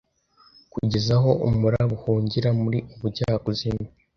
Kugeza aho umuraba uhungira muri ubujyakuzimu